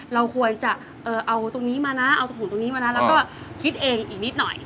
เราควรจะเอาตรงนี้มานะเอาตรงผมตรงนี้มานะแล้วก็คิดเองอีกนิดหน่อย